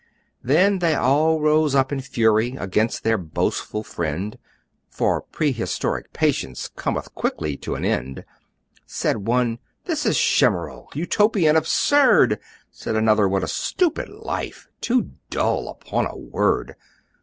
Then they all rose up in fury Against their boastful friend, For prehistoric patience Cometh quickly to an end: Said one, "This is chimerical! Utopian! Absurd!" Said another, "What a stupid life! Too dull, upon my word!"